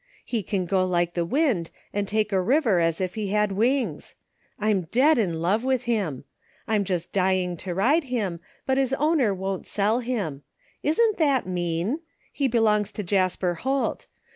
He can go like the wind and take a river as if he had wings. Fm dead in love with him. Fm just dying to ride him, but his owner won't sell him. Isn't that mean? He belongs to Jasper Holt.